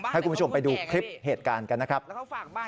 ให้คุณผู้ชมไปดูคลิปเหตุการณ์กันนะครับ